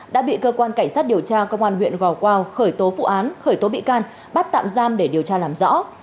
đã bị cơ quan cảnh sát điều tra công an huyện gò quao khởi tố vụ án khởi tố bị can bắt tạm giam để điều tra làm rõ